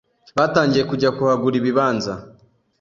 batangiye kujya kuhagura ibibanza